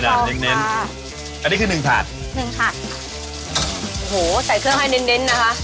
อโหใส่เครื่องให้เน้นนะคะดูเหมือนทำง่ายเนอะเฮีย